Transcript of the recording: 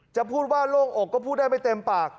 จะพูดว่าโล่งอกก็พูดได้ไม่เต็มปาก